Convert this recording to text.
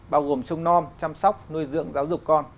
bao gồm trung non chăm sóc nuôi dưỡng giáo dục con